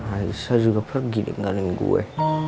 aisha juga pergi ninggalin gue